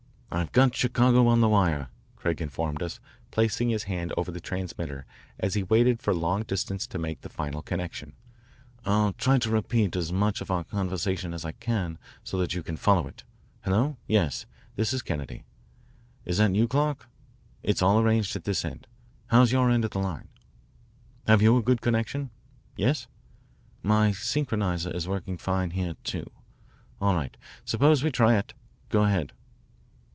"I've got Chicago on the wire," Craig informed us, placing his hand over the transmitter as he waited for long distance to make the final connection. "I'll try to repeat as much of the conversation as I can so that you can follow it. Hello yes this is Kennedy. Is that you, Clark? It's all arranged at this end. How's your end of the line? Have you a good connection? Yes? My synchroniser is working fine here, too. All right. Suppose we try it. Go ahead."